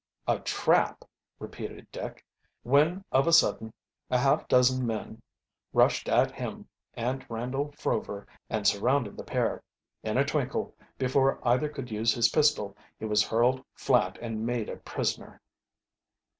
"A trap!" repeated Dick, when of a sudden a half dozen men rushed at him and Randolph Rover and surrounded the pair. In a twinkle, before either could use his pistol, he was hurled flat and made a prisoner.